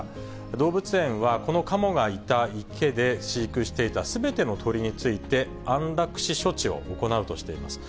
動物園はこのカモがいた池で飼育していたすべての鳥について、安楽死処置を行うとしています。